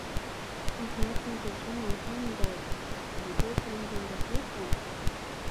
احمد مې د زړه ملحم دی، په لیدو باندې یې رغېږم.